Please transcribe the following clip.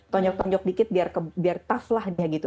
tonyok tonjok dikit biar tough lah dia gitu